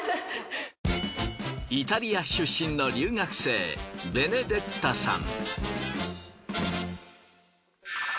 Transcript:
イタリア出身の留学生ベネデッタさん。